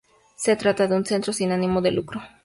Se trata de un centro sin ánimo de lucro.